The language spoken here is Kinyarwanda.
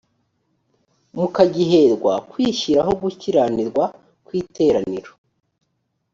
mukagiherwa kwishyiraho gukiranirwa ku iteraniro